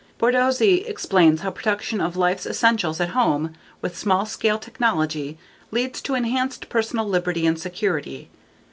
Borsodi explains how production of life's essentials at home with small scale technology leads to enhanced personal liberty and security.